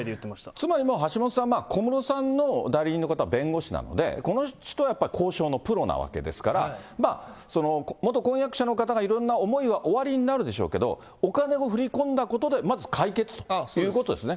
つまりもう橋下さん、小室さんの代理人の方は弁護士なので、この人はやっぱり交渉のプロなわけですから、元婚約者の方はいろんな思いはおありになるでしょうけど、お金を振り込んだことで、まず解決ということですね。